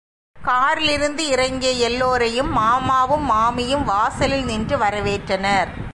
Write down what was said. காரிலிருந்து இறங்கிய எல்லோரையும் மாமாவும், மாமியும் வாசலில் நின்று வரவேற்றனர்.